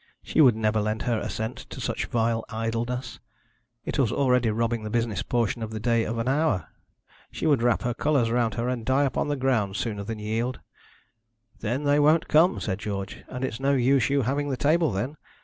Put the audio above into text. She would never lend her assent to such vile idleness. It was already robbing the business portion of the day of an hour. She would wrap her colours round her and die upon the ground sooner than yield. 'Then they won't come,' said George, 'and it's no use you having the table then.